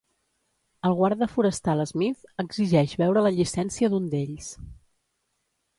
El guarda forestal Smith exigeix veure la llicència d'un d'ells.